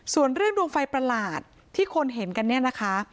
ส่วนเรื่องดวงไฟประหลาดที่คนเห็นกันเนี่ยนะคะ